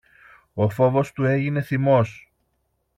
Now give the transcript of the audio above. ο φόβος του έγινε θυμός.